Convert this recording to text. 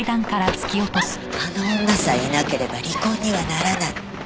あの女さえいなければ離婚にはならない。